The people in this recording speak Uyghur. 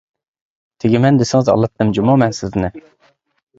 تېگىمەن دېسىڭىز ئالاتتىم جۇمۇ مەن سىزنى.